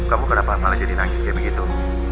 kamu kenapa malah jadi nangis kayak begitu